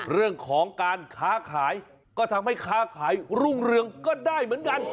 เรื่องของการค้าขายก็ทำให้ค้าขายรุ่งเรืองก็ได้เหมือนกัน